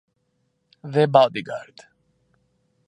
The Bodyguard